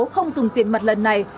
không dùng tiền mặt lần này